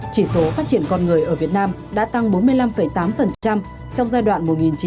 chỉ số phát triển con người ở việt nam đã tăng bốn mươi năm tám trong giai đoạn một nghìn chín trăm chín mươi hai nghìn một mươi chín